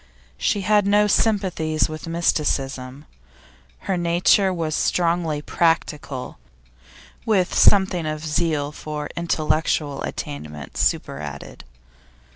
She had no sympathies with mysticism; her nature was strongly practical, with something of zeal for intellectual attainment superadded.